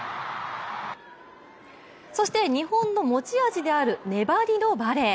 そして、日本の持ち味である粘りのバレー。